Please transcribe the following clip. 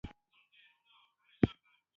ګاز د افغانانو ژوند اغېزمن کوي.